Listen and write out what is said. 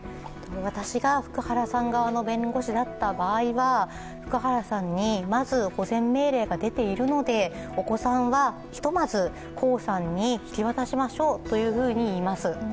我が福原さん側の弁護士だった場合は、福原さんにまず保全命令が出ているのでお子さんはひとまず江さんに引き渡しましょうと言います。